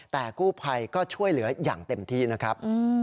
แต่กู้ภัยก็ช่วยเหลืออย่างเต็มที่นะครับ